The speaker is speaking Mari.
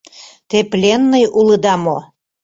— Те пленный улыда мо?